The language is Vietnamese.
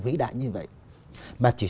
vĩ đại như vậy